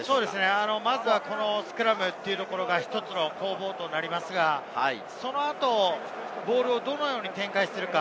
まずはスクラムが１つの攻防となりますが、その後、ボールをどのように展開するか？